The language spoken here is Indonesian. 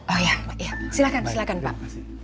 oh ya silahkan silakan pak